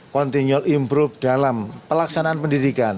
continual improve dalam pelaksanaan pendidikan